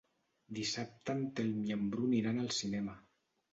Dissabte en Telm i en Bru aniran al cinema.